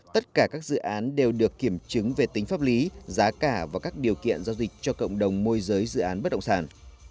tất cả các dự án đều được kiểm chứng về tính pháp lý giá cả và các điều kiện giao dịch cho cộng đồng môi giới dự án bất động sản